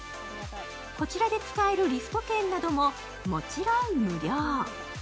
こちらで使えるリフト券などももちろん無料。